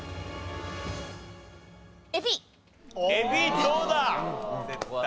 エビどうだ？